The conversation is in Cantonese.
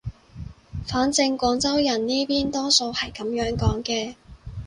反正廣州人呢邊多數係噉樣講嘅